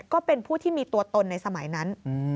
ก็เป็นผู้ที่มีตัวตนในสมัยนั้น